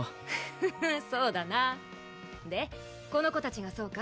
フフッそうだなでこの子達がそうか？